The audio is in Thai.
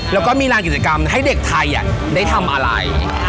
แล้วก็มีรางกิจกรรมให้เด็กไทยได้ทำอะไร